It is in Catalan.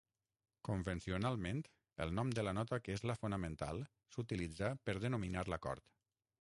Convencionalment, el nom de la nota que és la fonamental s'utilitza per denominar l'acord.